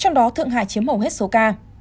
trong đó thượng hải chiếm hầu hết số ca